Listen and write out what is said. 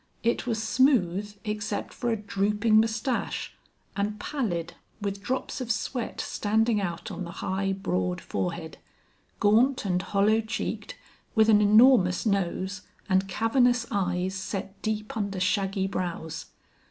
It was smooth except for a drooping mustache, and pallid, with drops of sweat standing out on the high, broad forehead; gaunt and hollow cheeked, with an enormous nose, and cavernous eyes set deep under shaggy brows.